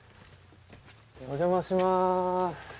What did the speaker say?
お邪魔します